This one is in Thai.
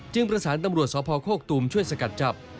ประสานตำรวจสพโคกตูมช่วยสกัดจับ